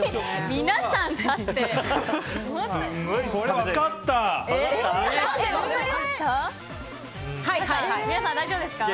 皆さん大丈夫ですか。